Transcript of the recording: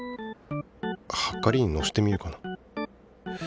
はかりにのせてみようかな。